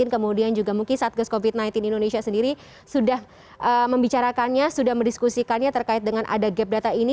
kemudian juga mungkin satgas covid sembilan belas indonesia sendiri sudah membicarakannya sudah mendiskusikannya terkait dengan ada gap data ini